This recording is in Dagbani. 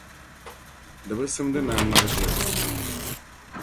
Di bi simdi ni a ŋmari ʒiri